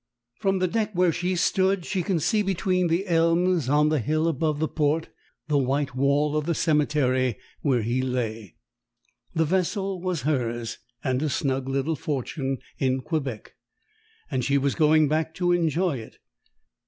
From the deck where she stood she could see between the elms on the hill above the port the white wall of the cemetery where he lay. The vessel was hers, and a snug little fortune in Quebec: and she was going back to enjoy it.